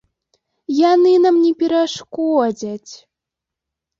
Яны нам не перашкодзяць!